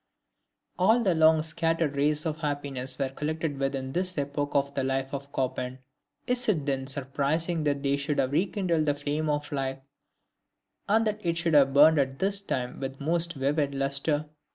All the long scattered rays of happiness were collected within this epoch of the life of Chopin; is it then surprising that they should have rekindled the flame of life, and that it should have burned at this time with the most vivid lustre?